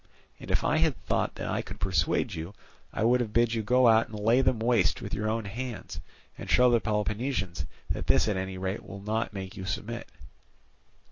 And if I had thought that I could persuade you, I would have bid you go out and lay them waste with your own hands, and show the Peloponnesians that this at any rate will not make you submit.